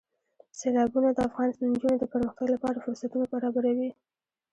سیلابونه د افغان نجونو د پرمختګ لپاره فرصتونه برابروي.